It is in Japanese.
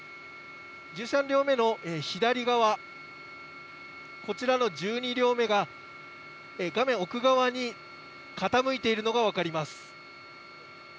１３両目の左側、こちらの１２両目が、画面奥側に傾いているのが分かります。